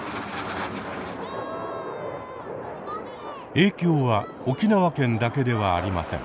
影響は沖縄県だけではありません。